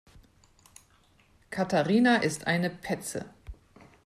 Katharina ist eine Petze.